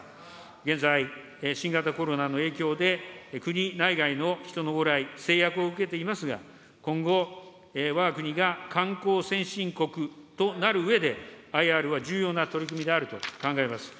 現在、新型コロナの影響で、国内外の人の往来、制約を受けていますが、今後、わが国が観光先進国となるうえで、ＩＲは重要な取り組みであると考えます。